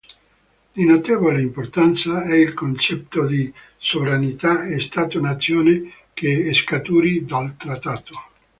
Di notevole importanza è il concetto di sovranità stato-nazione che scaturì dal trattato.